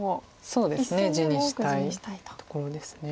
そうですね地にしたいところです。